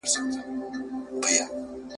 یو کړي ځان ستړی د ژوند پر لاره !.